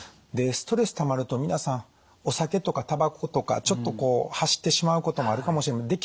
でストレスたまると皆さんお酒とかタバコとかちょっとこう走ってしまうこともあるかもしれません。